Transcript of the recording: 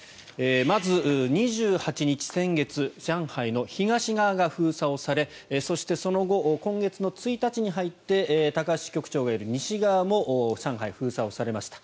まず、２８日、先月上海の東側が封鎖をされそして、その後今月１日に入って高橋支局長がいる西側も上海、封鎖をされました。